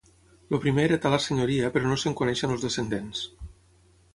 El primer heretà la senyoria però no se'n coneixen els descendents.